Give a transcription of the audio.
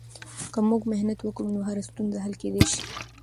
که موږ محنت وکړو، نو هره ستونزه حل کیدای سي.